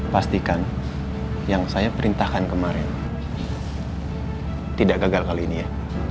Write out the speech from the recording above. pastikan yang saya perintahkan kemarin tidak gagal kali ini ya